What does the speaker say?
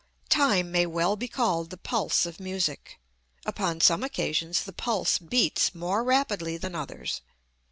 Time may well be called the pulse of music. Upon some occasions the pulse beats more rapidly than others.